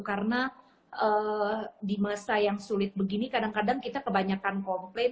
karena di masa yang sulit begini kadang kadang kita kebanyakan komplain